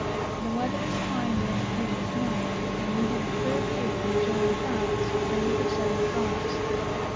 The weather was fine during the previous night, and we had a clear view of the Magellan Clouds, and of the Southern Cross.